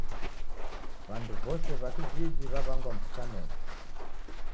W'andu w'ose w'a kijiji w'aw'angwa mkutanony